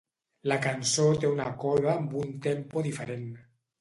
La cançó té una coda amb un tempo diferent.